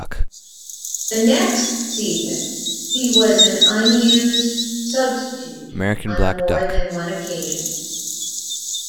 The next season, he was an unused substitute on more than one occasion.